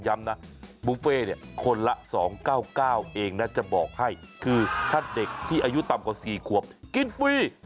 ย้ำนะบุฟเฟ่เนี่ยคนละ๒๙๙เองนะจะบอกให้คือถ้าเด็กที่อายุต่ำกว่า๔ขวบกินฟรี